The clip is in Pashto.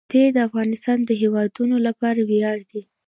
ښتې د افغانستان د هیوادوالو لپاره ویاړ دی.